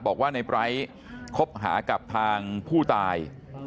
บอกว่าในไร้คบหากับทางผู้ตาย